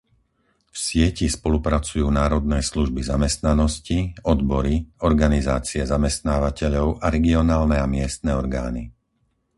V sieti spolupracujú národné služby zamestnanosti, odbory, organizácie zamestnávateľov a regionálne a miestne orgány.